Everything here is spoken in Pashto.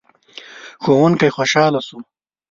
ښوونکی خوشحال شو.